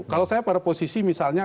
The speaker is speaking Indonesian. kalau saya pada posisi misalnya